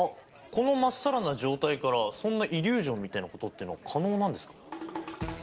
この真っさらな状態からそんなイリュージョンみたいなことってのは可能なんですか？